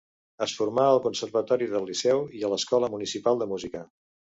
Es formà al Conservatori del Liceu i a l'Escola Municipal de Música.